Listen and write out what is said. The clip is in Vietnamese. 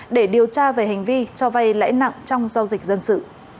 để điều tra về hành vi cho vay lãi nặng trong giao dịch dân sự